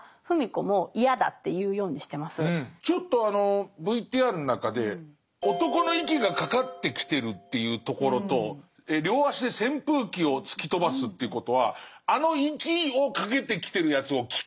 ちょっとあのＶＴＲの中で男の息がかかって来てるというところと両足で扇風器を突き飛ばすということはあの息をかけてきてるやつを機械としてるってこと？